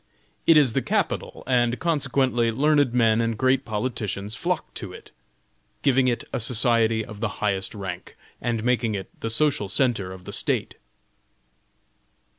It is the capital, and consequently learned men and great politicians flock to it, giving it a society of the highest rank, and making it the social centre of the State.